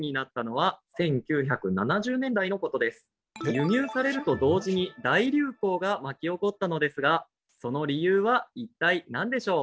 輸入されると同時に大流行が巻き起こったのですがその理由は一体何でしょう？